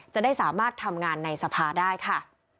จะได้สามารถทำงานในสภาได้ค่ะ